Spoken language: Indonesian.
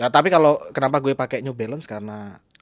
tapi kalau kenapa gue pakai new balance karena